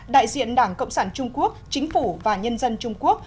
đại diện đảng cộng sản trung quốc chính phủ và nhân dân trung quốc